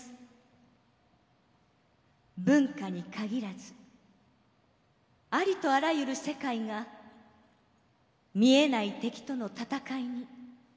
文化に限らずありとあらゆる世界が見えない敵とのたたかいに疲れている。